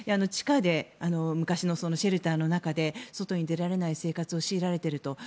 地下、昔のシェルターの中で外に出られない生活を強いられていると。